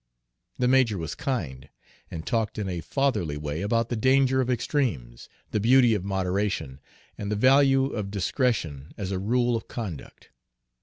The major was kind, and talked in a fatherly way about the danger of extremes, the beauty of moderation, and the value of discretion as a rule of conduct.